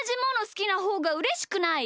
すきなほうがうれしくない？